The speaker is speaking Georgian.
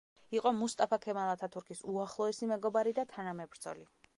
იყო მუსტაფა ქემალ ათათურქის უახლოესი მეგობარი და თანამებრძოლი.